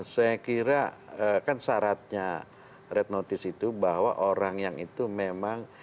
saya kira kan syaratnya red notice itu bahwa orang yang itu memang